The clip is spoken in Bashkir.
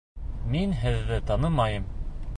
Мин һеҙҙе танымайым.